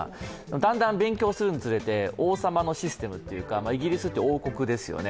だんだん勉強するにつれて王様のシステムというかイギリスって王国ですよね。